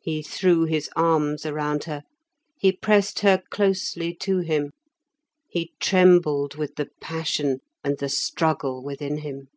He threw his arms around her, he pressed her closely to him, he trembled with the passion and the struggle within him.